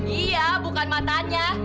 iya bukan matanya